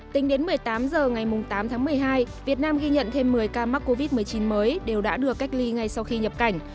tính đến một mươi tám h ngày tám tháng một mươi hai việt nam ghi nhận thêm một mươi ca mắc covid một mươi chín mới đều đã được cách ly ngay sau khi nhập cảnh